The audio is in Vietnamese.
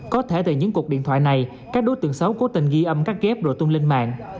có thể từ những cuộc điện thoại này các đối tượng xấu cố tình ghi âm các ghép rồi tung lên mạng